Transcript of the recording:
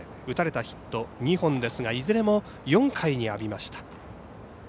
打たれたヒット、２本ですがいずれも４回に浴びました。